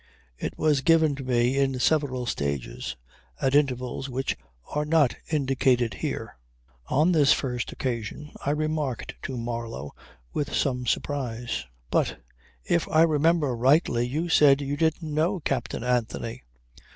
It was given to me in several stages, at intervals which are not indicated here. On this first occasion I remarked to Marlow with some surprise: "But, if I remember rightly you said you didn't know Captain Anthony."